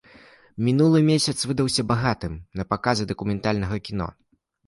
Мінулы месяц выдаўся багатым на паказы дакументальнага кіно.